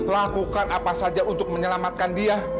lakukan apa saja untuk menyelamatkan dia